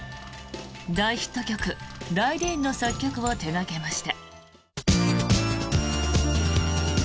大ヒット曲「ライディーン」の作曲を手掛けました。